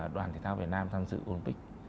đoàn thể thao việt nam tham dự olympic